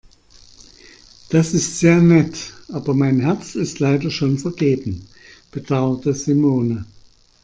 Das ist sehr nett, aber mein Herz ist leider schon vergeben, bedauerte Simone.